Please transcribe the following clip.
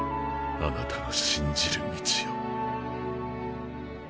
あなたの信じる道を。